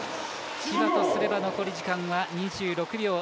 千葉とすれば残り時間は２６秒。